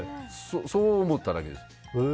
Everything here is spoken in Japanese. そう思っただけです。